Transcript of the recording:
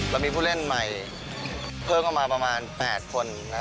มีผู้เล่นใหม่เพิ่มเข้ามาประมาณ๘คน